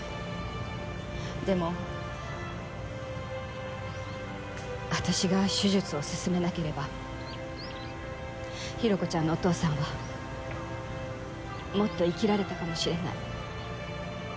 でも私が手術をすすめなければ寛子ちゃんのお父さんはもっと生きられたかもしれない。